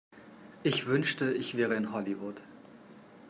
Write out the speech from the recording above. Ich wünschte, ich wäre in Hollywood.